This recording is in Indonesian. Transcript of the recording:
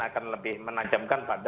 akan lebih menarik dari yang tadi